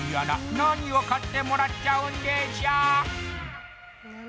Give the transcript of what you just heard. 何を買ってもらっちゃうんでしょ？